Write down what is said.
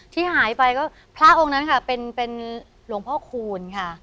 ที่หายไปก็พระองค์นั้นค่ะเป็นหลวงพ่อคูณค่ะ